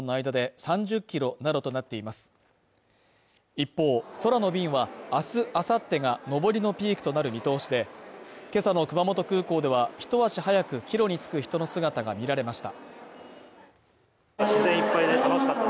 一方、空の便は明日、あさってが上りのピークとなる見通しで、今朝の熊本空港では、一足早く帰路につく人の姿が見られました。